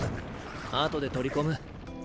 あとで取り込む。